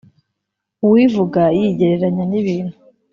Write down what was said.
Uwivuga yigereranya n’ibintu